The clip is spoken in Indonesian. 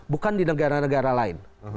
bukan di negara negara lain